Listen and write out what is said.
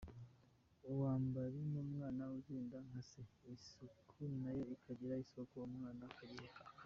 Umwambari w’umwana agenda nka se, isuku nayo ikagira isoko umwanda ukagira akazu.